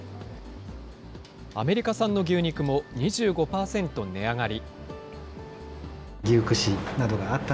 アメリカ産の牛肉も２５％値上がり。